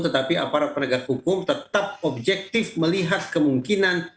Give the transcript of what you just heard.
tetapi aparat penegak hukum tetap objektif melihat kemungkinan